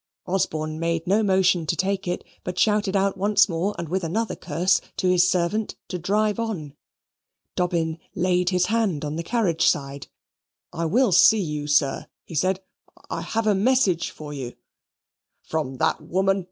Osborne made no motion to take it, but shouted out once more and with another curse to his servant to drive on. Dobbin laid his hand on the carriage side. "I will see you, sir," he said. "I have a message for you." "From that woman?"